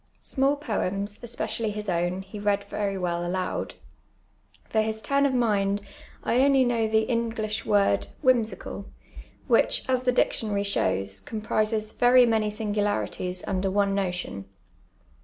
Small poems, es])eeially his owu, he read very will aloud. For his tiun of mind I only know the English word *• whimsical," which, as the dietion; ir}' shows, comprises very many sini^ularities under oiu' noti(Mi.